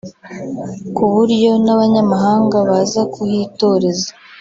ku buryo n’abanyamahanga baza kuhitoreza